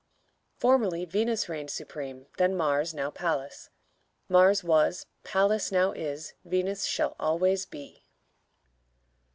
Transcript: _ Formerly Venus reigned supreme, then Mars, now Pallas: Mars was, Pallas now is, Venus shall always be.